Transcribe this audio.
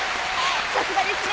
さすがですね